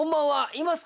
いますか？」。